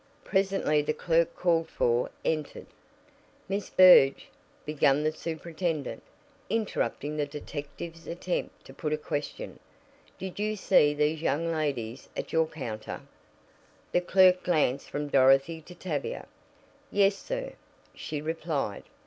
Presently the clerk called for entered. "Miss Berg," began the superintendent, interrupting the detective's attempt to put a question, "did you see these young ladies at your counter?" The clerk glanced from Dorothy to Tavia. "Yes, sir," she replied.